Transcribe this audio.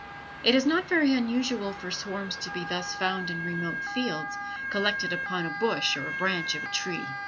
It is not very unusual for swarms to be thus found in remote fields, collected upon a bush or branch of a tree.